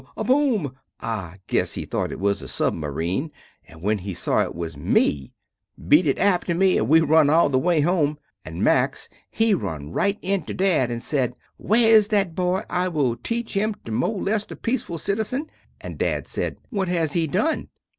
A bom! I guess he thot I was a submareen, and when he saw it was me beat it after me and we run all the way home, and Max he run rite into dad and sed, Where is that boy I will teech him to molest a peaceful citizen. And dad sed, What has he done?